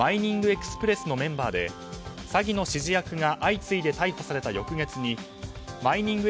エクスプレスのメンバーで詐欺の指示役が相次いで逮捕された翌月にマイニング